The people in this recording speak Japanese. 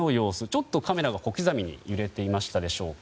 ちょっとカメラが小刻みに揺れていましたでしょうか。